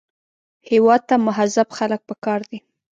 هېواد ته مهذب خلک پکار دي